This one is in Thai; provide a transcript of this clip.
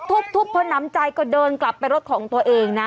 ทุบพอน้ำใจก็เดินกลับไปรถของตัวเองนะ